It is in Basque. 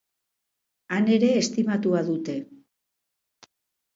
Han ere estimatua dute.